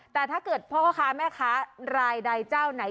แต่ถ้าเกิดพ่อค้าแม่ค้ารายใดเจ้าไหน